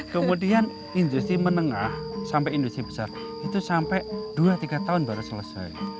kemudian industri menengah sampai industri besar itu sampai dua tiga tahun baru selesai